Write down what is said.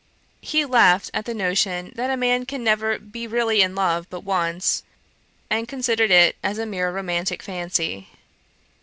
He laughed at the notion that a man never can be really in love but once, and considered it as a mere romantick fancy.